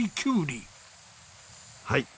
はい。